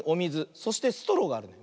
そしてストローがあるね。